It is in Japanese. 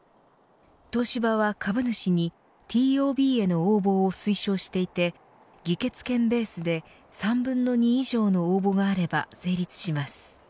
東芝は株主にＴＯＢへの応募を推奨していて議決権ベースで３分の２以上の応募があれば成立します。